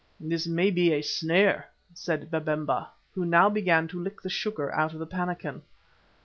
"This may be a snare," said Babemba, who now began to lick the sugar out of the pannikin.